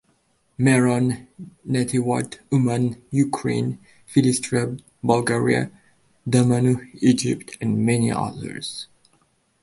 Meron; Netivot; Uman, Ukraine; Silistra, Bulgaria; Damanhur, Egypt; and many others.